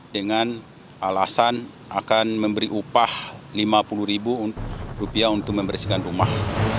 dengan alasan akan memberi upah lima puluh untuk membersihkan rumah